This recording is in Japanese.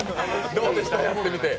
どうでした、やってみて？